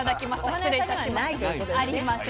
失礼いたしました。